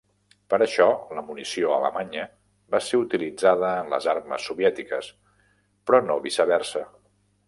Per això, la munició alemanya va ser utilitzada en les armes soviètiques, però no viceversa.